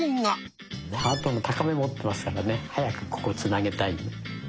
ハートの高め持ってますからね早くここをつなげたいね。